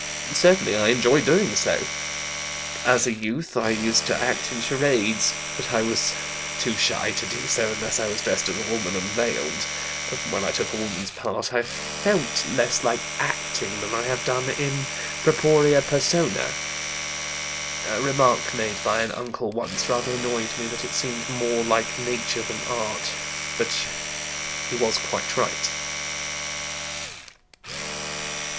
Certainly I enjoy doing so. As a youth, I used to act in charades; but I was too shy to do so unless I was dressed as a woman and veiled; and when I took a woman's part I felt less like acting than I have done in propria persona. A remark made by an uncle once rather annoyed me: that it seemed more like nature than art. But he was quite right."